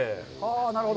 なるほど。